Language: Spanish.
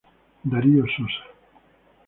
Darío Sosa.